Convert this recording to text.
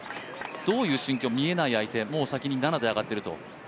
どういう心境、見えない相手、もう先に７で上がってると。